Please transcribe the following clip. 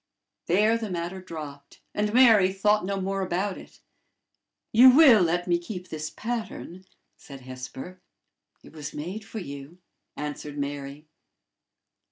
There the matter dropped, and Mary thought no more about it. "You will let me keep this pattern?" said Hesper. "It was made for you," answered Mary.